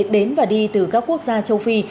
đến và đi từ các quốc gia châu phi